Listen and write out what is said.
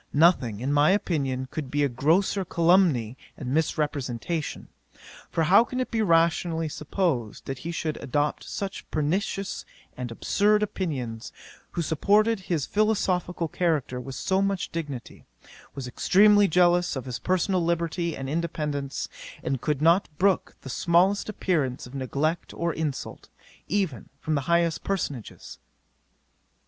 Nothing in my opinion could be a grosser calumny and misrepresentation; for how can it be rationally supposed, that he should adopt such pernicious and absurd opinions, who supported his philosophical character with so much dignity, was extremely jealous of his personal liberty and independence, and could not brook the smallest appearance of neglect or insult, even from the highest personages?